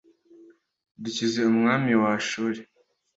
dukize umwami wa ashuri